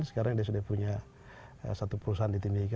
sekarang dia sudah punya satu perusahaan di tim hika